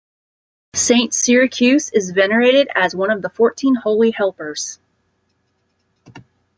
Saint Cyriacus is venerated as one of the Fourteen Holy Helpers.